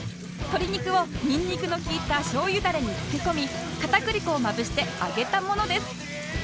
鶏肉をにんにくの利いた醤油ダレに漬け込み片栗粉をまぶして揚げたものです